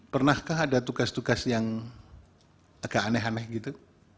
pernahkah ada tugas tugas yang agak aneh aneh gitu